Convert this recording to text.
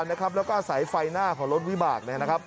หน้ากระดาษนะครับแล้วก็อาศัยไฟหน้าของรถวิบากนะครับ